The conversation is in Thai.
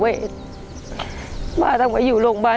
ขอเพียงคุณสามารถที่จะเอ่ยเอื้อนนะครับ